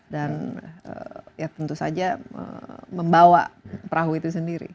dan ya tentu saja membawa perahu itu sendiri